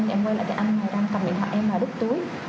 thì em quay lại thì anh đang cầm điện thoại em và đứt túi